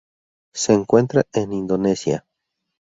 Se encuentra en Indonesia